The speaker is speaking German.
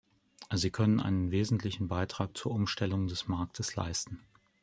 Sie können einen wesentlichen Beitrag zur Umstellung des Marktes leisten.